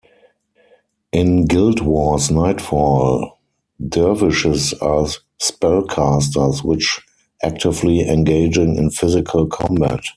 In "Guild Wars Nightfall", dervishes are spellcasters, which actively engaging in physical combat.